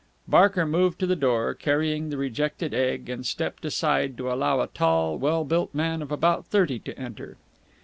Barker moved to the door, carrying the rejected egg, and stepped aside to allow a tall, well built man of about thirty to enter.